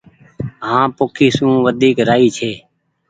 هآنٚ پوکي سون وديڪ رآئي ڇي